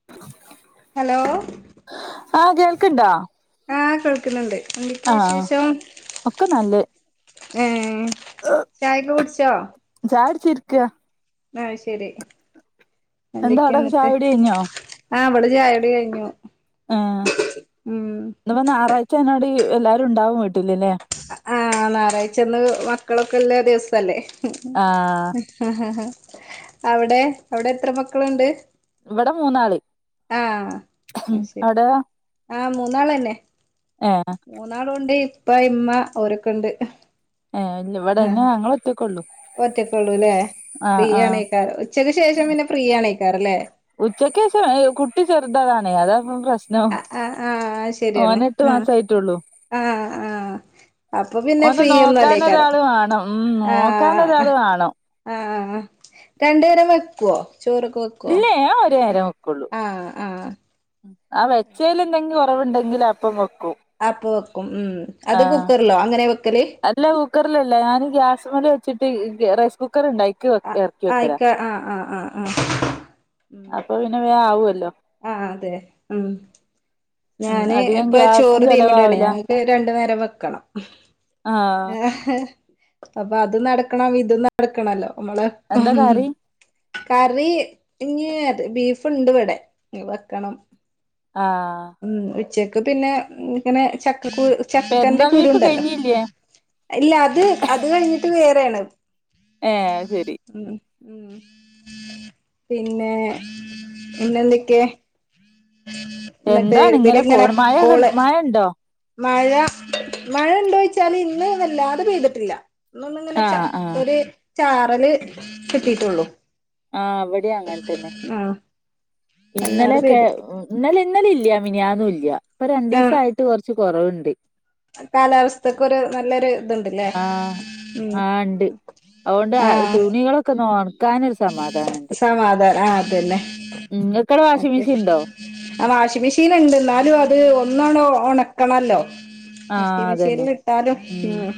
[inaudible] Hello.. ആഹ് കേൾക്ക്ണ്ടാ.. ആഹ് കേൾക്കുന്നുണ്ട് എന്തൊക്കെ വിശേഷം? ഒക്കെ നല്ലെ ഏഹ് ചായ ഒക്കെ കുടിച്ചോ? ചായകുടിച്ചിരിക്ക അയ് ശെരി എന്താ അവിടെ ഒക്കെ ചായകുടി കൈഞ്ഞോ ആഹ് വിടെ ചായുടി കഴിഞ്ഞു ഇന്ന് പ്പോ ഞായറാഴ്ച അയ്നോട് എല്ലാരും ഉണ്ടാവും വീട്ടിലില്ലേ ആഹ് ഞായറാഴ്ചന്ന് മക്കളൊക്കെള്ള ദിവസല്ലേ ആഹ് ഹ് ഹ് ഹ് അവിടെ അവിടെ എത്ര മക്കളുണ്ട്? ഇവിടെ മൂന്നാള് ആഹ് അത് ശരി അവിടെയോ? ആഹ് മൂന്നാൾ തന്നെ. ഏഹ്.. മൂന്നാളുണ്ട് ഇപ്പ ഇമ്മ ഓരൊക്കെ ഉണ്ട് ഏഹ് വ്ടെ ന്നെ ഞങ്ങൾ ഒറ്റക്കെ ഉള്ളു ഒറ്റക്കുള്ളൂ ല്ലേ ഫ്രീ ആണെക്കാരം ഉച്ചക്ക് ശേഷം പിന്നെ ഫ്രീ ആണെയ്ക്കാരം ല്ലേ ഉച്ചക്ക് ശേഷം കുട്ടി ചെറുതാണ് അതാ പ്പോ പ്രശ്നം ആ ആ ആ അത് ശരിയാണ് മോൻ എട്ട് ആ മാസയിട്ടുള്ളൂ ആ ആ അപ്പൊ പിന്നെ ഓനെ ഫ്രീ ഒന്നും അല്ലേക്കാരം നോക്കാനൊരാള് വാണം ഉം ആഹ്.. നോക്കാനൊരാള് വാണം ആഹ് ആഹ് രണ്ടുനേരം വെക്കുവോ ചോറൊക്കെ വെക്ക ഇല്ലേ ഞാൻ ഒരു നേരം വെക്കുള്ളൂ ആ ആ വെച്ചേൽ എന്തെങ്കിലും കുറവുണ്ടെങ്കിൽ അപ്പം വെക്കും ആപ്പ വെക്കും ഉം അത് കുക്കറിലോ അങ്ങനെ വെക്കല് ഇല്ല കുക്കറിലല്ല ഞാൻ ഗ്യാസ് മ്മൽ വെച്ചിട്ട് റൈസ് കുക്കർ ഉണ്ടായിൽ ആ ആയിക്കാ ആഹ് ആഹ് ആഹ് ആഹ് ഉം.. അപ്പൊ പിന്നെ വേം ആവല്ലോ ആഹ് അതെ ഉം... ഞാന് അധികം ഇപ്പ ഗ്യാസും ചോറ് തീമടാണ് ചെലവാവൂല ഞങ്ങക്ക് രണ്ടു നേരം വെക്കണം ആഹ് ഏഹ് ഹ് അപ്പൊ അത് നടക്കണം ഇതും നടക്കണല്ലോ നമ്മള് എന്താ കറി കറി ഞ്ഞ് ബീഫ്ണ്ട് ഇവിടെ വെക്കണം ആഹ്.. ഉം ഉച്ചക്ക് പിന്നെ ഇങ്ങനെ ചക്കക്ക ചക്കന്റെ പെരുന്നാൾ കുരു ബീഫ് ഉണ്ടല്ലോ കഴിഞ്ഞില്ലേ ഇല്ല അത് അത് കഴിഞ്ഞിട്ട് വേറെയാണ് ഏഹ് ശരി ഉം.. ഉം പിന്നെ പിന്നെന്തൊക്കെ? എന്നിട്ട് എന്താണ് ഇതില് ഇങ്ങനെ പോണ് മഴ കോള് മഴ ഇണ്ടോ മഴ മഴ ഉണ്ടോയ്ച്ചാല് ഇന്ന് വല്ലാതെ പെയ്തിട്ടില്ല ഇന്നൊന്ന് ഇങ്ങനെ ആഹ് ആഹ് ഒരു ചാറല് കിട്ടിട്ടുള്ളൂ ആഹ് ഇവടെയും അങ്ങനെ തന്നെ വല്ലാതെ ഇന്നലെയൊക്കെ പെയ്തു ഇന്നലെ ഇന്നലില്ല മിനിയാന്നും ഇല്ല ഇപ്പ രണ്ടിസായിട്ട് കൊറച്ച് കൊറവുണ്ട് കാലാവസ്ഥക്ക് ഒരു നല്ലൊരു ഇത്ണ്ട് ആഹ് ആഹ് ഇണ്ട് അതുകൊണ്ട് ആഹ് തുണികളൊക്കെ ഒണ ക്കാനൊരു സമാധാനോണ്ട് സമാധാനം ആഹ് അതന്നെ ഉം നിങ്ങക്കവടെ വാഷിംഗ്‌ മറ്റേ മിഷീണ്ടോ ആഹ് വാഷിംഗ് മിഷീനുണ്ട് എന്നാലും അത് ഒന്നാണ്ട് ഒണക്കണല്ലോ വാഷിംഗ് ആഹ് അതന്നെ മിഷീലിട്ടാലും ഉം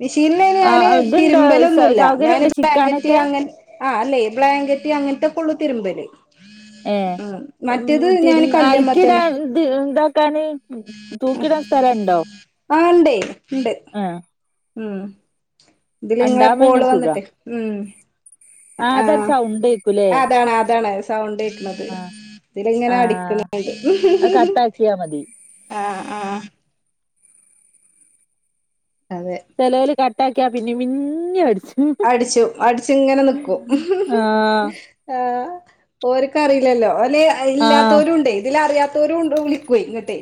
മിഷീല് ഞാന് ആഹ് ഇതുണ്ടോ തിരുമ്പലൊന്നുല്ല സൗകര്യം ഞാന് ഉണ്ടോ ബ്ലാങ്കറ്റ് ചിക്കാനൊക്കെ അങ്ങ ആഹ് അല്ലേ ബ്ലാങ്കറ്റ് അങ്ങൻത്തൊക്കെ ഒള്ളു തിരുമ്പല് ഏഹ് ആഹ് മറ്റേത് തിരു ഞാന് കല്ല്മേത്തന്നെ അലക്കിടാൻ ഇത് എന്താക്കാന് തൂക്കീടാൻ സ്ഥലുണ്ടോ ആഹ് ഇണ്ട് ഉണ്ട് ആഹ് ഉം ഇതില് നിങ്ങളെ ഉണ്ടാവുമ്പോ തന്നെ കോള് സുഖാ വന്നിട്ട് ഉം അതൊരു ആഹ് സൗണ്ട് കേക്കൂലേ അതാണ് അതാണ് സൗണ്ട് കേക്കണത് ആഹ് ഇതിലിങ്ങനെ ആഹ് അടിക്കണണ്ട് അത് കട്ടാക്കിയാ മതി ആഹ് ആഹ് അതെ ചെലോര് കട്ടാക്കിയാ പിന്നേം പിന്നേം അടിച്ചും അടിച്ചും അടിച്ചുങ്ങനെ നിക്കും ആഹ് ആഹ് ഓരക്ക് അറീലല്ലോ ഓല് ആഹ് ഇല്ലാത്തോലുണ്ട് ഇതില് അറിയാത്തേരുണ്ട് വിളിക്കെ ഇങ്ങട്ട്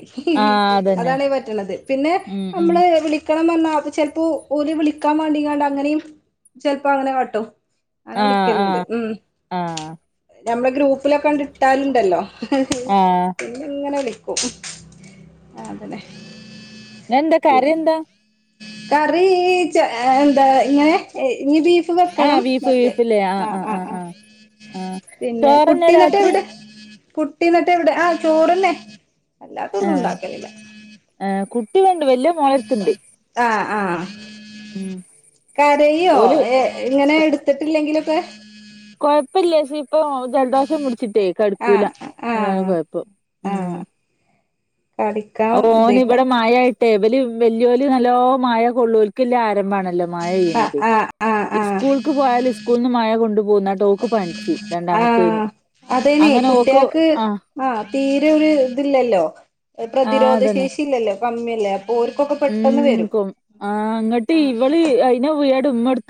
ആഹ് അതന്നെ അതാണ് പറ്റണത് പിന്നെ ഉം ഉം നമ്മള് വിളി ക്കണം പറഞ്ഞാ അപ്പോ ചെലപ്പോ ഓല് വിളിക്കാൻ വേണ്ടിങ്ങാണ്ട് അങ്ങനീം ചെലപ്പോ അങ്ങനെ കാട്ടും അങ്ങനെ ആഹ് വിളിക്കല്ണ്ട് ആഹ് ഉം ആഹ് നമ്മളെ ഗ്രൂപ്പിലൊക്കെണ്ട് ഇട്ടാല്ണ്ടല്ലോ ആഹ് പിന്നങ്ങനെ വിളിക്കും ആഹ് അതന്നെ ഇന്നെന്താ കറി എന്താ കറി എന്താ ഇങ്ങനെ ഇനി ബീഫ് ഫ് വെക്കണം മറ്റേ ആഹ് ആഹ് ആഹ് ആഹ് പിന്നെ ചോറന്നെ കുട്ടീന്നെട്ട് രാത്രി എവിടെ കുട്ടി എന്നിട്ട് എവിടെ ആഹ് ചോറന്നെ അല്ലാത്ത ആഹ് ഒന്നുണ്ടാക്കലില്ല ആഹ് കുട്ടി ഇവടണ്ട് വല്ലോം ആഹ് ആഹ് ഉം കരയോ ഓല് ഇങ്ങനെ ക എടുത്തിട്ടില്ലെങ്കിലൊക്കെ കൊഴപ്പില്ല ക്ഷേ ഇപ്പൊ ജലദോഷം പുടിച്ചിട്ടേ കെടക്കൂല ആഹ് അതാണ് ആഹ് കൊഴപ്പം ആഹ് ഉം കളിക്കാൻ ഓന് ഇതേക്ക ഇവിടെ മഴയായി ട്ട് ഇബല് വെല്ല്യോല് നല്ലോ മഴ കൊള്ളും ഓൽക്കെല്ലെ ആരംഭാണല്ലോ മഴ ആഹ് പെയ്യിണത് ആഹ് ആഹ് ആഹ് സ്കൂൾക്ക് പോയാല് സ്കൂൾന്ന് മഴ കൊണ്ടു പോന്നാണ്ട് ഓക്ക് പനിച്ച് രണ്ടാമത്തേന് ആഹ് അതേന്നെ അങ്ങനെ ഓക്ക് കുട്ട്യോക്ക് ആഹ് തീരെ ഒരു ഇത് ഇല്ലല്ലോ ആഹ് അതന്നെ പ്രതിരോധശേഷി ഇല്ലല്ലോ കമ്മില്ലേ അപ്പോൽക്കൊക്കെ ഉം കൊ ആഹ് ഇങ്ങട്ട് ഇവള് അയിനെ പോയാണ്ട് ഉമ്മോടുത്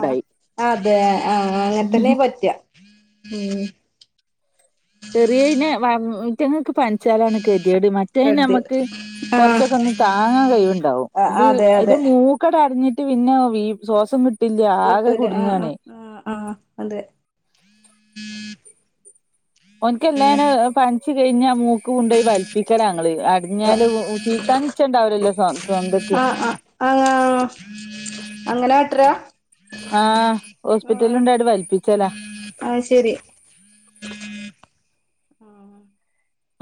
ആഹ് അതെ ആഹ് അങ്ങനെത്തന്നെ പറ്റു ഉം ചെറിയതിന് മേറ്റങ്ങക്ക് പനിച്ചാലാണ് ഗതിയേട് മറ്റേയിന് കരുതിയത് നമ്മക്ക് ആഹ് കൊറച്ചൊക്കെ ഒന്ന് താങ്ങാൻ കൈവുണ്ടാവും ആഹ് ഇത് അതെ അതെ അയിന്റെ മൂക്ക് ക്കടഞ്ഞിട്ട് പിന്നെ ശ്വാസം കിട്ടില്ല ആകെ തൊട്ടൂല ആഹ് കുടുങ്ങാണ് ആഹ് ആഹ് അതെ ഓൻക്ക് എല്ലാനെ പനിച്ചു കഴിഞ്ഞാ മൂ മൂക്ക് കൊണ്ടോയി വലിപിക്കലാ ഞങ്ങള് അടിഞ്ഞാല് ചീതാൻ നിച്ചണ്ടാവുലല്ലോ സ്വന്തക്ക് ആഹ് ആഹ് അങ്ങനെ കാട്ടരാ ആഹ് ഹോസ്പിറ്റൽ കൊണ്ടായിട്ട് വൽപ്പിച്ചലാ ആഹ്ശെരി ആഹ്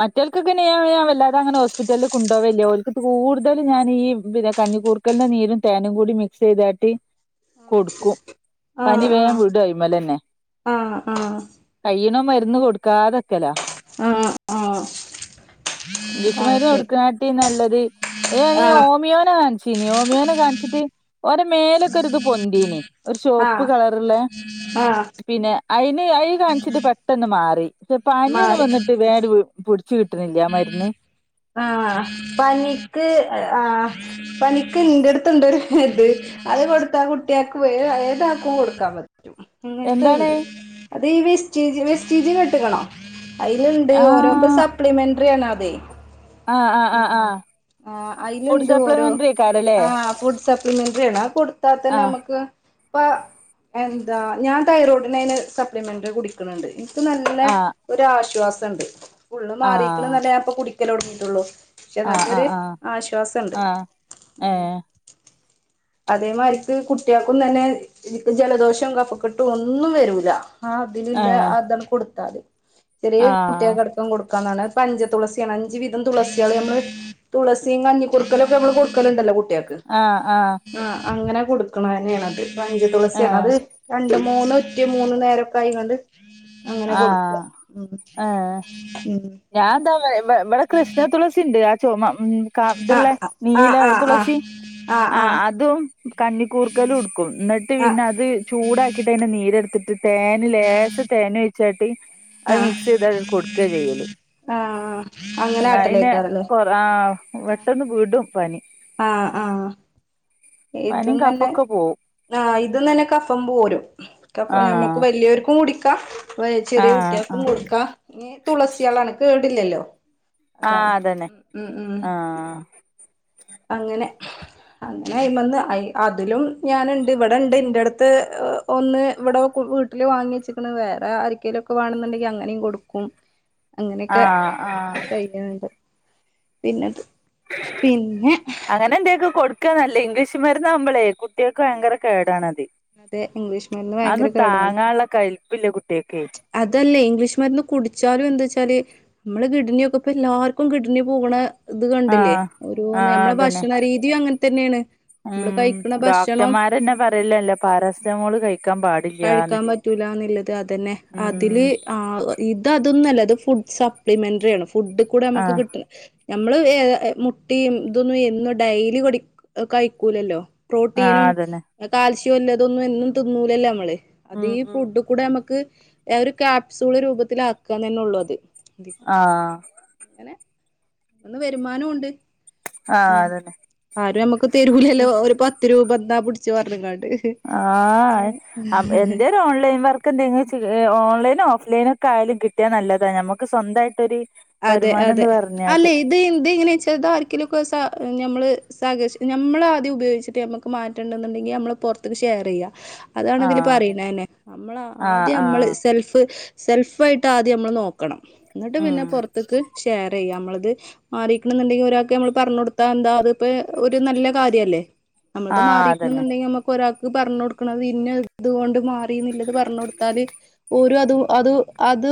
മറ്റോൽക്കൊക്കെ ഞാന് വല്ലാതങ്ങനെ ഹോസ്പിറ്റല്ല് കൊണ്ടോവല്ല്യ ഓൽക്ക് കൂട്തല് ഞാന് ഈ പിന്നെ കഞ്ഞിക്കൂർ ക്കൽൻ്റെ നീരും തേനും കൂടി മിക്സെയ്താട്ട് കൊട്ക്കും പനി ആഹ് വേം വിടും അയ്മലെന്നെ ആഹ് ആഹ് കയ്യ്ണോം മര്ന്ന് കൊട്ക്കാതെക്കലാ ആഹ് ആഹ് അത് ഇംഗ്ലീഷ്മരുന്ന് ശരി കൊടുക്ക്ണാട്ടിം നല്ലത് ഏ അയ് ഞാൻ ആഹ് ഹോമിയോനെ കാണി സിനിയോമിയോനെ കാണിച്ച്ട്ട് ഓരെ മേലൊക്കൊര്ത് പൊന്തീനി ഒരു ചോപ്പ് ആഹ് കളറ്ള്ളേ ആഹ് പിന്നെ അയ്ന് അയിൻ കാൺച്ചിട്ട് പെട്ടന്ന് മാറി പനി ഒന്ന് മാറി വന്നിട്ട് വേണ്ട് ട്ട് കിട്ട്ണില്ല ആ മര്ന്ന് ആഹ് പനിക്ക് ആഹ് പനിക്ക് ഇന്റെട്ത്ത് ഇണ്ടൊര് ഇത് അത് കൊട്ത്താ കുട്ട്യാക്ക് വേം ഏതാക്കും കൊട്ക്കാൻ പറ്റും എന്താണ് അങ്ങൻത്തെണ്ട് അത് ഈ വിസ്റ്റീജ് വിസ്റ്റീജ് കേട്ട്ക്ക്ണോ ഐല്ണ്ട് ഓരോപ്പ ആഹ് സപ്ലിമെന്ററി ആണതെ ആഹ് ആഹ് ആഹ് ഉം ആഹ് ആഹ് ഫുഡ് ഐല്ണ്ട് ഓരോ സപ്ലിമെന്ററി കാർഡല്ലേ ആഹ് സപ്ലിമെന്ററി ആണ് അത് കൊട്ത്താ തന്നെ ആഹ് നമ്മക്ക് ഇപ്പാ എന്താ ഞാൻ തൈറോയിഡിന് അയിന് സപ്ലിമെന്ററി കുടിക്ക്ണ്‌ ണ്ട് ഇനിക്ക് നല്ല ആഹ് ഒരാശ്വാസണ്ട് ഫുള്ള് ആഹ് മാറീക്ക്ണ്ന്നല്ല ഞാൻ ഇപ്പൊ കുടിക്കലൊടങ്ങീട്ടൊള്ളു പക്ഷെ നല്ലൊരു ആഹ് ആഹ് ആശ്വാസണ്ട് ആഹ് ആഹ് ഉം ഏഹ് അതേമാരിക്ക് കുട്ട്യാക്കും തന്നെ ഇപ്പൊ ജലദോഷം കഫക്കെട്ടും ഒന്നും വരൂല ആ അതിലിലള്ളെ ഏഹ് അതണ്ട് കൊട്ത്താല് ചെറിയ ആഹ് കുട്ട്യാക്കടക്കം കൊട്ക്കും ണ് അത്‌ പഞ്ച തുളസിയാണ് അഞ്ച് വീതം തുളസ്യാള് നമ്മള് തുളസിം കഞ്ഞി കുർക്കലൊക്കെ നമ്മള് കൊട്ക്കല്ണ്ടല്ലോ കുട്ട്യാക്ക് ആഹ് അങ്ങനെ കൊട്ക്ക്ണെന്നേ ആണത് പഞ്ചതുളസി ആണ് ഏഹ് അത് മൂന്ന് ഉറ്റി മൂന്ന് നേരൊക്കെ അയ്ങ്ങാണ്ട് അങ്ങനെ കൊട്ക്ക ആഹ് ഉം ഏഹ് ഉം ഞാൻ ഇതാ ഇവടെ കൃഷ്ണ തൊളസിണ്ട് ആഹ് ചൊമ ഉം ക ആ ഇത്ള്ള ആ ആ നീല ആ ആ തുളസി ആ ആഹ് അതും കഞ്ഞിക്കൂർക്കലും ഇട്ക്കും ഇന്നിട്ട് ആ പിന്നെ അത് ചൂടാക്കിട്ട് ഐൻ്റെ നീരെട്ത്തിട്ട് തേന് ലേസ തേനൊഴിച്ചാട്ട് അത് മിക്സെയ്താട്ട് കൊട്ക്ക ചെയ്യല് ആഹ് ആഹ് ആഹ് എന്നാ അങ്ങനെ പിന്നെ കാട്ടെലേക്കാരംലെ കൊറ ആഹ് പെട്ടന്ന് വിടും പനി ആഹ് ആഹ് പനിം കഫൊക്കെ പോവും ആഹ് ഇത് തന്നെ കഫം പോരും അപ്പ നമ്മക്ക് ആഹ് വല്യോര്ക്കും കുടിക്കാ ചെറിയ ആഹ് കുട്ട്യാക്കും ആഹ് കൊട്ക്ക തുളസ്യാളാണ് കേടില്ലല്ലോ ആഹ് അതാണ് അതന്നെ ഉം ഉം ഉം ആഹ് അങ്ങനെ അങ്ങനെ അയ്മെന്ന് അതിലും ഞാന്ണ്ട് ഇവിടെണ്ട് ഇന്റെട്ത്ത് ഒന്ന് ഇവടെ വീട്ട്ല് വാങ്ങി വെച്ചിക്ക്ണ് വേറെ ആരിക്കേലൊക്കെ വേണെന്ന്ണ്ടെങ്കി അങ്ങനിം കൊട്ക്കും അങ്ങനൊക്കെ ആഹ് ആഹ് കൈഞ്ഞാണ്ട് പിന്നെത് പി അങ്ങനെ എന്തേക്കെ കൊട്ക്കാ നല്ലെത് ഇംഗ്ലീഷ് മരുന്നാവ്മ്പളേ കുട്ട്യാക്ക് ഭയങ്കര കേടാണത് അതെ ഇംഗ്ലീഷ് മരുന്ന് അതൊന്നും ഭയങ്കര കേടാണ് താങ്ങാള്ള കെല്പ്പില്ല കുട്ട്യേക്കേ അതല്ലേ ഇംഗ്ലീഷ് മരുന്ന് കുട്ച്ചാലും എന്താച്ചാല് നമ്മള് കിഡ്ണിനൊക്കെ ഇപ്പൊ എല്ലാർക്കും ഗിഡണി പോക്ണെ ഇത് കണ്ടില്ലേ ആഹ് ഒരോന്ന് ആഹ് നമ്മളെ അതന്നെ ഭക്ഷണ രീതിം അങ്ങൻതന്നേണ് ഉം ഡോക്ടർമാരന്നെ പറയിലല്ലേ പാരാസറ്റമോൾ കഴിക്കാൻ പാട- കഴിക്കാൻ പറ്റൂലാന്നുള്ളത് അതന്നെ അതില് ഉം ആ- ഇത് അതൊന്നുംല്ല ഇത് ഫുഡ് സപ്ലിമെന്ററി ആണ് ഫുഡ്ക്കൂടെ നമുക്ക് ആഹ് കിട്ടണ- ഞമ്മള് ഏഹ് മുട്ടി ഇതൊന്നും എന്നും ഡെയ്ലി കഴിക്കൂലല്ലോ? ആഹ് പ്രോട്ടീനും അതന്നെ കാൽസ്യല്ലതൊന്നും എന്നും തിന്നൂലല്ലേ നമ്മള് അത് ഉം ഈ ഉം ഫുഡ- കൂടെ നമുക്ക് ഒരു കാപ്സൂൾ രൂപത്തിലാക്കന്നെ ഉള്ളൂ അത്. ആഹ് എങ്ങനെ ന്ന് വരുമാനുണ്ട് ആഹ് ഉം അതന്നെ ആരും നമ്മുക്ക് തെരൂലല്ലോ? ഒരു പത്ത് രൂപ ഇന്നാ പിടിച്ചോ റഞ്ഞങ്ങാണ്ട്. ആഹ് എന്റെ - ഓൺലൈൻ വർക്ക് എന്തെങ്കില ഓൺലൈനോ ഓഫ്ലൈനോ ഒക്കെ ആയാലും കിട്ടിയാ നല്ലതാ നമുക്ക് സ്വന്തമായിട്ട് രു അതെ അതെ അല്ലെ ഇത് എന്ത് ഇങ്ങനെ വെച്ച താ ആരിക്കേലുംക്കെ നമ്മള് സർഷ നമ്മള് ആദ്യം ഉപയോഗിച്ചിട്ട് മക്ക്- മാറ്റണ്ടെന്ന്ണ്ടങ്കി നമ്മള് പുറത്തേക്ക് ഷെയർ ചെയ്യ. അതാണ്തില് ആഹ് അതെ പറയണന്നെ നമ്മൾ ആഹ് ആദ്യം നമ്മള് ആഹ് സെൽഫ്- സെൽഫ് ആയിട്ട് ആദ്യം നമ്മൾ നോക്കണം എന്നിട്ട് ഉം പിന്നെ പുറത്തേക്ക് ഷെയർ ചെയ്യാ നമ്മളത്- മാറീക്കണുണ്ടെങ്കിൽ ഒരാൾക് നമ്മള് പറഞ്ഞു കൊടുത്താ എന്താ അത് ഇപ്പോ ഒരു നല്ല കാര്യം അല്ലേ? നമ്മളത് ആഹ് അതന്നെ മാറീക്കണ്ന്നുണ്ടെങ്കി നമക്ക് ഒരാൾക്ക് പറഞ്ഞ കൊടുക്കണത് ഇന്ന ഇതുകൊണ്ട്- മാറീന്നില്ലത് പറഞ്ഞടുത്താല്- ഓലൊ അതു അത് അത്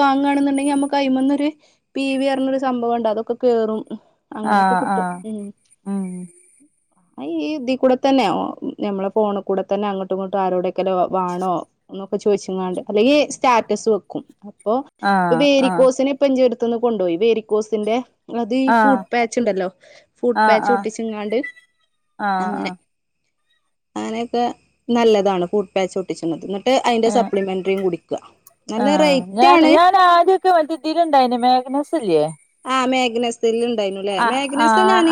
വാങ്ങണെന്നുണ്ടെങ്കിൽ നമുക്ക് അയി്മന്നൊര്- പി വി പറിഞ്ഞൊരു സംഭവംണ്ട് അതൊക്കെ കേറും അങ്ങനെയൊക്കെ ആഹ് കിട്ടും ആഹ് ഉ ഉം ഈതി കൂടെ തന്നെ ഞമ്മള ഫോണ് കൂടെ തന്നെ അങ്ങട്ടുംങട്ടും ആരോടെ- ല വാണോ എന്നൊക്കെ ചോദിച്ങ്ങാണ്ട് അല്ലെങ്കിൽ സ്റ്റാറ്റസ് വെക്കും അപ്പൊ ഇപ്പൊ ആഹ് ആഹ് വേരിക്കോസിന് ഇപ്പന്റെടുത്ത്ന്ന് കൊണ്ടൊയി വേരിക്കോസിന്റെ- അത് ഈ ആഹ് ഫൂഡ് പാച്ച് ഉണ്ടല്ലോ? ഫൂട്ട് ആഹ് പാച്ച് ആഹ് ഒട്ടിച്ചുങ്ങാണ്ട് ആഹ് അങ്ങനെ. ആഹ് അങ്ങനെയൊക്കെ നല്ലതാണ് ഫു ട്ട് പാച്ചൊട്ടിച്ചണത് എന്നിട്ട് അതിന്റെ ഏഹ് സപ്ലിമെന്ററിയും കുടിക്ക നല്ല റേറ്റ് ആണ്. ഒക്കലുണ്ടായിന് മേഘനസ്ല്ലേ? ആഹ് മെഗ്നസ്. ആഹ്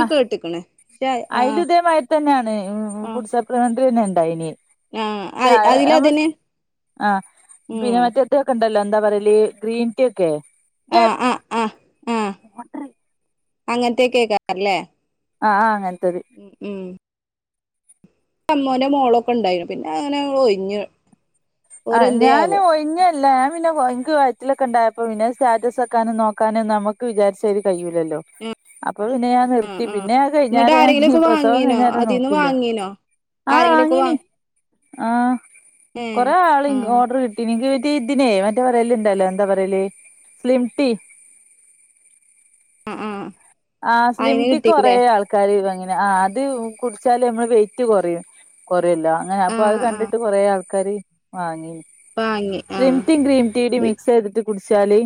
ആഹ് കേട്ടിക്കണ് പക്ഷെ ആഹ് അയിലും ദേ മാരി തന്നെയാണ് ആഹ് ഫുഡ്‌ സപ്പ്- അക്ണ്ട തന്നെ ഉണ്ടയ്നി ആഹ് ആഹ് അതിലതിന് പിന്നെ ഉം മറ്റേ- ഒക്കെ ഉണ്ടല്ലോ എന്താ പറയ ഗ്രീൻ ടീ ഒക്കെ. ആഹ് ആഹ് അങ്ങനത്തക്കേക്കാരല്ലേ? ആഹ് ആഹ് അങ്ങൻത്തത്. ഉം ഉം അമ്മോന്റെ മോളൊക്കെ ഉണ്ടായിനു പിന്നെ അങ്ങനെ ഒയ്ഞ്ഞഞ്. ആഹ് ഞാന് ഒഴിഞ്ഞ അല്ല ഞാൻ പിന്നെ വയറ്റിലൊക്കെ ഉണ്ടായപ്പോ പിന്നെ സ്റ്റാറ്റസ് വെക്കാനും നോക്കാനും നമ്മുക്ക് വിചാരിചാരി കഴിയൂലല്ലോ? അപ്പൊ പിന്നെ ഞാൻ നിർത്തി പിന്നെ അത് എന്നിട്ട് കഴിഞ്ഞേര ഞാൻ ആരെങ്കിലുമൊക്കെ പ്രസവം വാങ്ങീനോ കഴിഞ്ഞേര അതിന്ന് നോക്കീല്ല. വാങ്ങീനോ ആഹ ആരെങ്കിലുമൊക്കെ വാ വാങ്ങീനി ആഹ് ഏഹ് കൊറെ ആൾ ആഹ് ഓർഡർ കിട്ടീനി എനിക്ക് മറ്റേ ഇതിനെ മറ്റെ പറയലുണ്ടല്ലോ? എന്താ പറയല് സ്ലിം ടീ ഉം ഉം ആഹ് സ്ലിം ടി ക്ക് കൊറേ ആൾക്കാര് അങ്ങനെ ആഹ് അത് കുടിച്ചാല് നമ്മളെ വെയിറ്റ് കുറയും. കുറല്ലോ അങ്ങനെ അപ്പൊ അത് ആഹ് ആഹ് കണ്ടിട്ട് കൊറെേ ആൾക്കാര്- വാങ്ങി വാങ്ങി സ്ലിം ടീ ആഹ് ഗ്രീൻ ടീ ടിം മിക്സ് ചെയ്തിട്ട് കുടിച്ചാല്.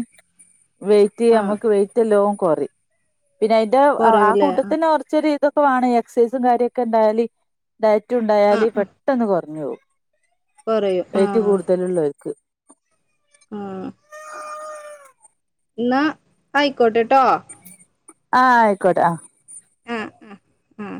വെയിറ്റ് ആഹ് നമ്മക്ക് വെയിറ്റല്ലോം കൊറിം. പിന്നെ അതിന്റെ ആ കൊറയൂല്ലേ കൂട്ടത്തന്നെ കുറച്ചൊരു ഇതൊക്കെ വാണം എക്സൈസും കാര്യൊക്കെ ഉണ്ടായാല്. ആഹ് ഡയറ്റുണ്ടായാല് ആഹ് പെട്ടെന്ന് കുറഞ്ഞവും കൊറയും വെയിറ്റ് ആഹ് കൂടുതലുള്ളവർക്ക്. ആ ന്നാ ആയിക്കോട്ടെട്ടോ? ആ ആയിക്കോട്ടെ. ആ. മ് ആഹ മ് ആഹ.